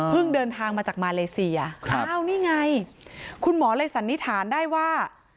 เดินทางมาจากมาเลเซียอ้าวนี่ไงคุณหมอเลยสันนิษฐานได้ว่า